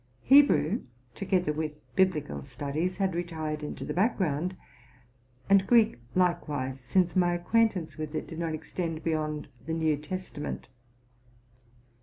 Hebrew, together with biblical studies, had retired into the background, and Greek likewise, since my acquaintance with it did not extend beyond the New Testament.